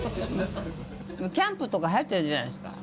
キャンプとか流行ってるじゃないですか。